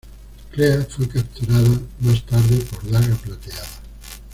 Clea fue capturada más tarde por Daga Plateada.